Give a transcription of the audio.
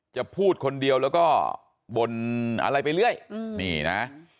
จะพูดคนเดียวแล้วก็บ่นอะไรไปเรื่อยนี่นะ